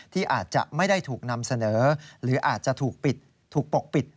ที่อาจจะไม่ได้ถูกนำเสนอหรืออาจจะถูกปิดถูกปกปิด